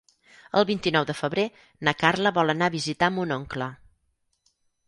El vint-i-nou de febrer na Carla vol anar a visitar mon oncle.